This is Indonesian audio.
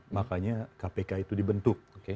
makanya kpk itu dibentuk